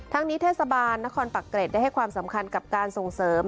นี้เทศบาลนครปักเกร็ดได้ให้ความสำคัญกับการส่งเสริม